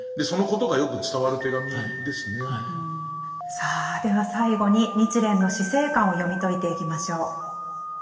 さあでは最後に日蓮の死生観を読み解いていきましょう。